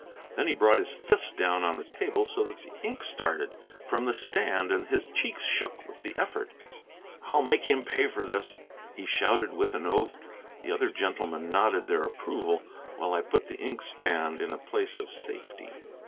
Then he brought his fist down on the table so that the ink started from the stand and his cheeks shook with the effort. "I'll make him pay for this!" he shouted, with an oath. The other gentlemen nodded their approval, while I put the inkstand in a place of safety.